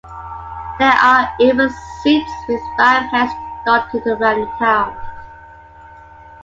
There are even seats with rams heads dotted around the town.